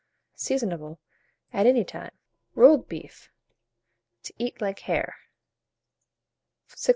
Seasonable at any time. ROLLED BEEF, to eat like Hare.